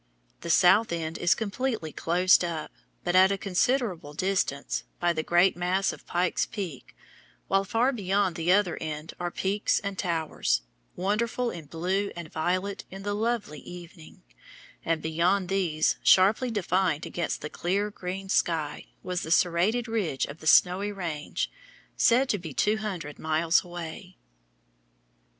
The south end is completely closed up, but at a considerable distance, by the great mass of Pike's Peak, while far beyond the other end are peaks and towers, wonderful in blue and violet in the lovely evening, and beyond these, sharply defined against the clear green sky, was the serrated ridge of the Snowy Range, said to be 200 miles away.